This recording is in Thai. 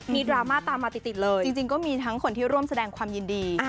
ดราม่าตามมาติดเลยจริงก็มีทั้งคนที่ร่วมแสดงความยินดี